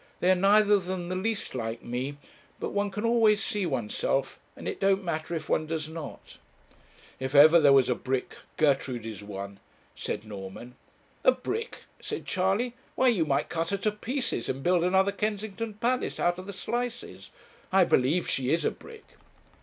they are neither of them the least like me. But one can always see oneself, and it don't matter if one does not.' 'If ever there was a brick, Gertrude is one,' said Norman. 'A brick!' said Charley 'why you might cut her to pieces, and build another Kensington palace out of the slices. I believe she is a brick.'